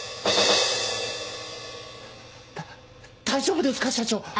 大丈夫ですか？